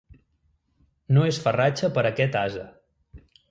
No es farratge per aquest ase.